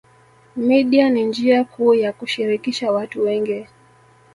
Media ni njia kuu ya kushirikisha watu wengi